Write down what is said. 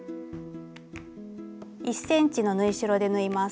１ｃｍの縫い代で縫います。